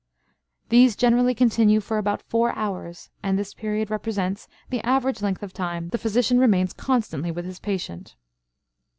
These generally continue for about four hours, and this period represents the average length of time the physician remains constantly with his patient.